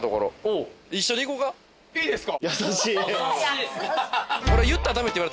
いいですか？